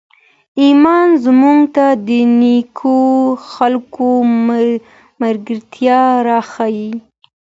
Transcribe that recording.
ایمان موږ ته د نېکو خلکو ملګرتیا راښیي.